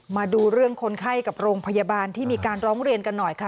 มาดูเรื่องคนไข้กับโรงพยาบาลที่มีการร้องเรียนกันหน่อยค่ะ